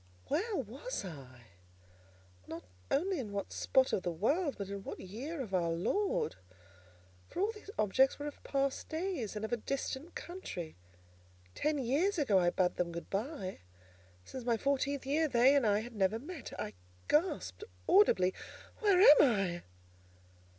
Where was I? Not only in what spot of the world, but in what year of our Lord? For all these objects were of past days, and of a distant country. Ten years ago I bade them good by; since my fourteenth year they and I had never met. I gasped audibly, "Where am I?"